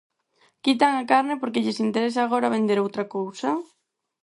Quitan a carne porque lles interesa agora vender outra cousa?